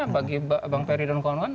bagi bang ferry dan kawan kawan